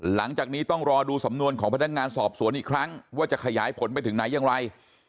หลังจากนี้ต้องรอดูสำนวนของพนักงานสอบสวนอีกครั้งว่าจะขยายผลไปถึงไหนอย่างไร